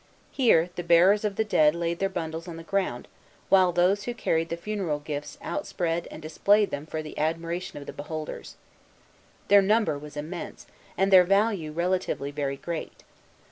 Here the bearers of the dead laid their bundles on the ground, while those who carried the funeral gifts outspread and displayed them for the admiration of the beholders. Their number was immense, and their value relatively very great.